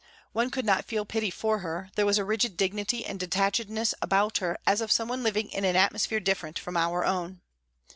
One could not feel pity for her there was a rigid dignity and detachedness about her as of someone living in an atmosphere different from our own.